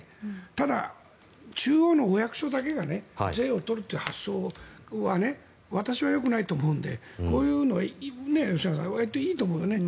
ただ、中央のお役所だけが税を取るという発想は私はよくないと思うのでこういうの、吉永さんやっていいと思うよね。